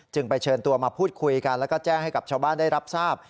ไปเชิญตัวมาพูดคุยกันแล้วก็แจ้งให้กับชาวบ้านได้รับทราบ